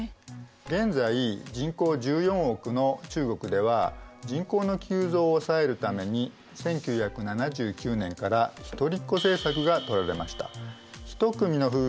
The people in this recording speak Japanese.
現在人口１４億の中国では人口の急増を抑えるために１９７９年から一人っ子政策がとられました。